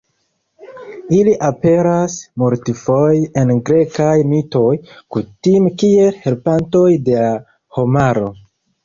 Ili aperas multfoje en grekaj mitoj, kutime kiel helpantoj de la homaro.